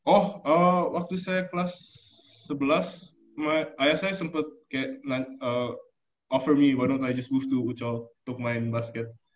oh waktu saya kelas sebelas ayah saya sempet kayak offer me why don t i just move to uchol untuk main basket